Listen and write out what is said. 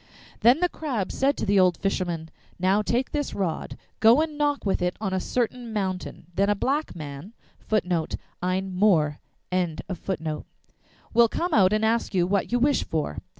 Then the Crab said to the old fisherman, 'Now take this rod; go and knock with it on a certain mountain; then a black man(6) will come out and ask you what you wish for.